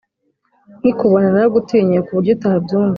Nkikubona naragutinye kuburyo utabyumva